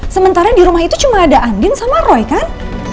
sementara di rumah itu cuma ada andin sama roy kan